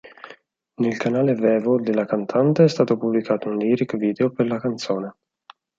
Nel canale Vevo della cantante è stato pubblicato un lyric video per la canzone.